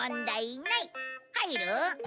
入る？